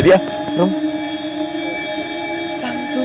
udah masa ini